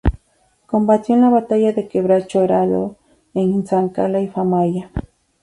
Combatió en la batalla de Quebracho Herrado, en San Cala y Famaillá.